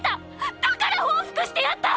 だから報復してやった！！